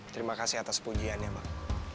terima kasih atas pujiannya mbak